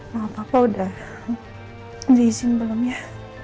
maaf papa udah diizinkan belum ya